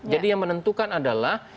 jadi yang menentukan adalah